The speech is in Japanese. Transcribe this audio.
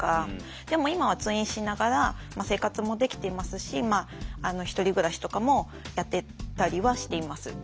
でも今は通院しながら生活もできていますし１人暮らしとかもやってたりはしています。